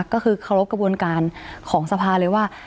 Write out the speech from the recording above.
ก็คือเคารพกระบวนการของสภาเลยว่า